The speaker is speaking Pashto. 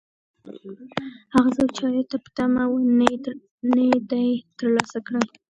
هغه څوک چې عاید ته په تمه و، نه یې دی ترلاسه کړی.